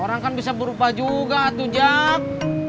orang kan bisa berupa juga tujak